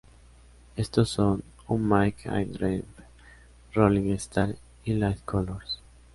Estos son: U make ai dream, Rolling star, y Light colors.